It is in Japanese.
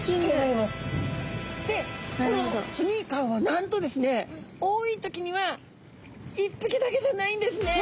このスニーカーはなんとですね多い時には１ぴきだけじゃないんですね。